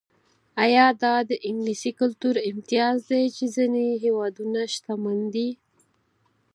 ایا دا د انګلیسي کلتور امتیاز دی چې ځینې هېوادونه شتمن دي.